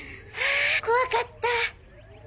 あ怖かった。